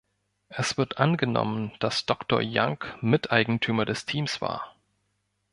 Es wird angenommen, dass Doktor Young Miteigentümer des Teams war.